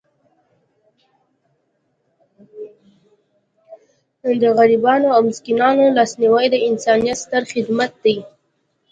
د غریبانو او مسکینانو لاسنیوی د انسانیت ستر خدمت دی.